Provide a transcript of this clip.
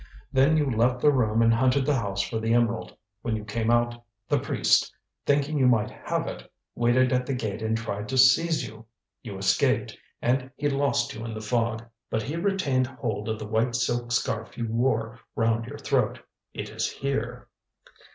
Then you left the room and hunted the house for the emerald. When you came out the priest, thinking you might have it, waited at the gate and tried to seize you. You escaped and he lost you in the fog. But he retained hold of the white silk scarf you wore round your throat. It is here."